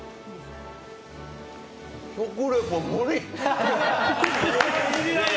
食リポ無理！